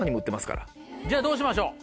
じゃあどうしましょう？